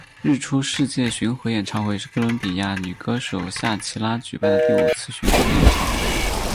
日出世界巡回演唱会是哥伦比亚女歌手夏奇拉举办的第五次巡回演唱会。